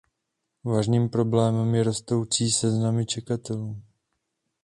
Vážným problémem jsou rostoucí seznamy čekatelů.